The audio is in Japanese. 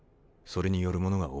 それによるものが大きい。